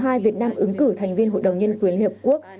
và việt nam ứng cử thành viên hội đồng nhân quyền liên hiệp quốc